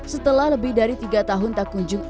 setelah lebih dari tiga tahun tak kunjung